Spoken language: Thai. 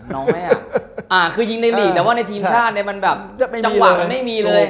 ล้อเม่อะคือยิงในหลีโทรศาสตร์ที่มันจังหวังไม่มีเลย